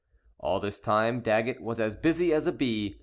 All this time Daggett was as busy as a bee.